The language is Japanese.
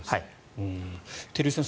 照井さん